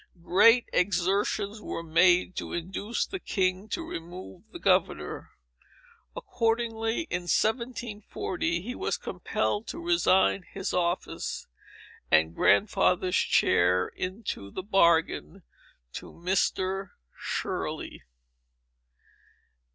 Great exertions were made, to induce the king to remove the governor. Accordingly, in 1740, he was compelled to resign his office, and Grandfather's chair into the bargain, to Mr. Shirley.